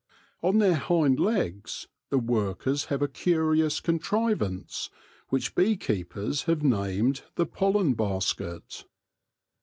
On their hind legs the workers have a curious contrivance which bee keepers have named the pollen basket.